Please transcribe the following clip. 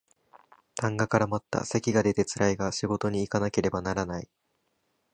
痰が絡まった咳が出てつらいが仕事にいかなければならない